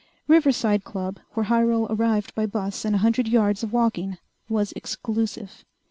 Riverside Club, where Hyrel arrived by bus and a hundred yards of walking, was exclusive.